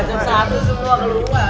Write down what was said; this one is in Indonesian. jam satu semua keluar